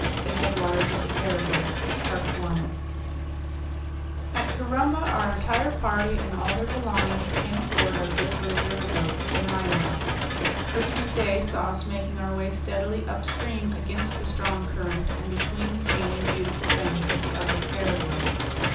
IV. THE HEADWATERS OF THE PARAGUAY At Corumba our entire party, and all their belongings, came aboard our good little river boat, the Nyoac. Christmas Day saw us making our way steadily up stream against the strong current, and between the green and beautiful banks of the upper Paraguay.